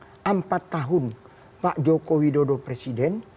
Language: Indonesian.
tapi hasilnya lebih panjang empat tahun pak joko widodo presiden